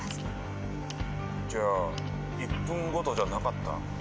じゃあ１分ごとじゃなかった？